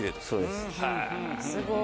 そうです。